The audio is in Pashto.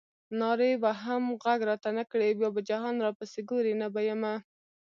نارې وهم غږ راته نه کړې بیا به جهان راپسې ګورې نه به یمه.